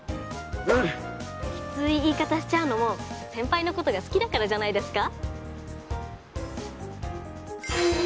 キツい言い方しちゃうのも先輩のことが好きだからじゃないですか？